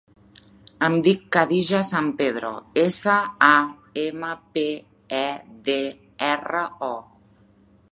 Em dic Khadija Sampedro: essa, a, ema, pe, e, de, erra, o.